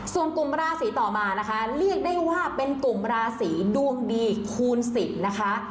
ส่วนกลุ่มราศีต่อมานะคะเรียกได้ว่าเป็นกลุ่มราศีดวงดีคูณ๑๐นะคะ